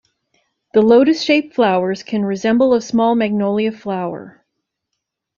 The lotus-shaped flowers can resemble a small magnolia flower.